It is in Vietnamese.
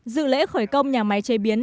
dự lễ khởi công nhà máy chế biến